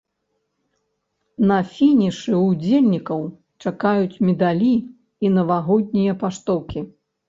На фінішы ўдзельнікаў чакаюць медалі і навагоднія паштоўкі.